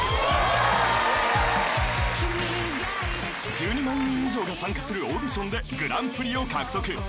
［１２万人以上が参加するオーディションでグランプリを獲得］